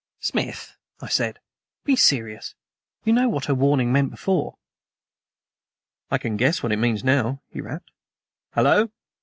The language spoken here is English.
"Smith," I said, "be serious. You know what her warning meant before." "I can guess what it means now," he rapped. "Hallo!"